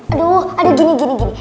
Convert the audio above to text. aduh ada gini gini